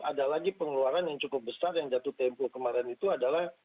ada lagi pengeluaran yang cukup besar yang jatuh tempo kemarin itu adalah